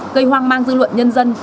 gây hoang mang dư luận nhân dân